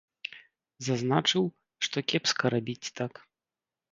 Зазначыў, што кепска рабіць так.